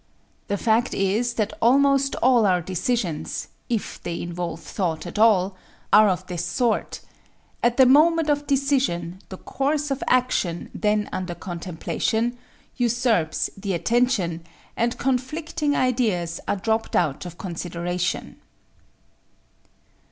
The fact is that almost all our decisions if they involve thought at all are of this sort: At the moment of decision the course of action then under contemplation usurps the attention, and conflicting ideas are dropped out of consideration.